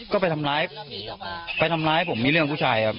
ก็ไปทำร้ายไปทำร้ายผมมีเรื่องผู้ชายครับ